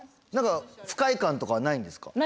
何か不快感とかはないんですか？